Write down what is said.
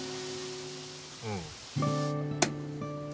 うん。